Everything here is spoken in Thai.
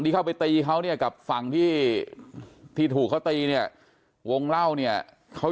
เข้าไปตีเขาเนี่ยกับฝั่งที่ที่ถูกเขาตีเนี่ยวงเล่าเนี่ยเขา